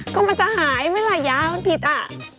ก็มันจะหายไม่เหล่ายามันผิดอะ